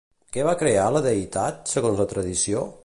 Què va crear la deïtat, segons la tradició?